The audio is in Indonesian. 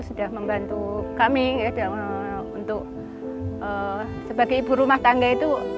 sudah membantu kami untuk sebagai ibu rumah tangga itu